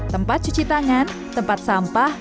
tempat cuci tangan tempat sampah